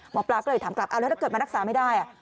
หมอปลาก็เลยถามกลับถ้าเกิดมันรักษาไม่ได้